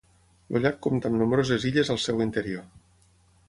El llac compta amb nombroses illes al seu interior.